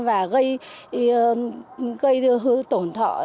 và gây tổn thọ